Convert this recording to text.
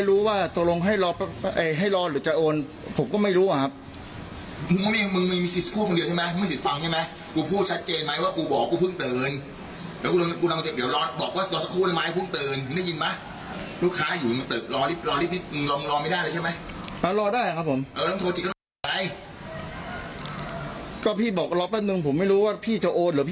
ร้องรอไม่ได้ใช่ไหมก็พี่บอกเราแป้งหนึ่งผมไม่รู้ว่าพี่เจ้าโอ้สหรือ